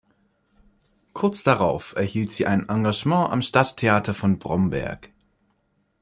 Kurz darauf erhielt sie ein Engagement am Stadttheater von Bromberg.